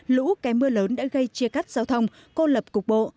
lũ kèm mưa lớn đã gây chia cắt giao thông cô lập cục bộ